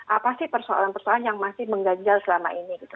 apa sih persoalan persoalan yang masih mengganjal selama ini gitu